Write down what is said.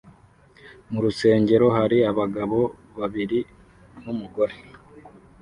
Mu rusengero hari abagabo babiri n’umugore